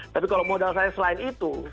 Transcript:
tapi kalau modal saya selain itu